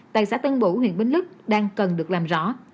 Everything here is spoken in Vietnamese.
tại xã tân bủ huyện bến lức đang cần được làm rõ